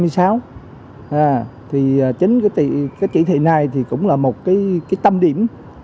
chính cái chỉ thị này cũng là một tâm điểm